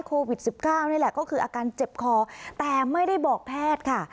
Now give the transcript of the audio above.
โควิด๑๙นี่แหละก็คืออาการเจ็บคอแต่ไม่ได้บอกแพทย์ค่ะ